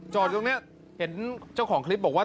ตรงนี้เห็นเจ้าของคลิปบอกว่า